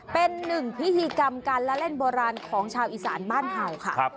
เป็นหนึ่งพิธีกรรมการละเล่นโบราณของชาวอีสานบ้านเห่าค่ะ